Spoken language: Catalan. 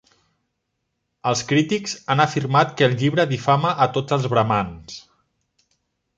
Els crítics han afirmat que el llibre difama a tots els bramans.